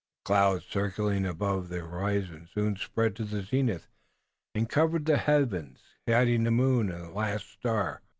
The clouds, circling about the horizon, soon spread to the zenith, and covered the heavens, hiding the moon and the last star.